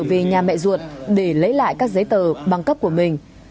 bà sa đã trở về nhà mẹ ruột để lấy lại các giấy tờ băng cấp của mình